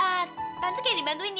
eh tante kendi bantuin ya